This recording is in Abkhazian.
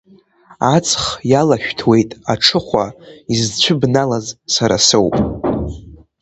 Аҵх иалашәҭуеит аҽыхәа, изцәыбналаз сара соуп.